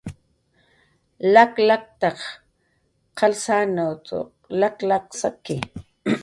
Lak laktaq qalsananw lak lak saki